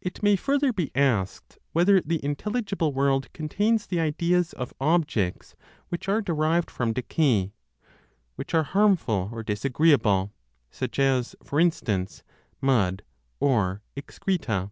It may further be asked whether the intelligible world contains the ideas of objects which are derived from decay, which are harmful or disagreeable, such as, for instance, mud or excreta.